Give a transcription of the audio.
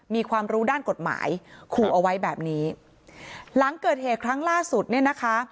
มีความรู้ด้านกฎหมายขู่เอาไว้แบบนี้หลังเกิดเหตุครั้งล่าสุดเนี่ยนะคะ